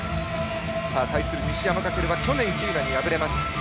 対する西山走は去年、喜友名に敗れました。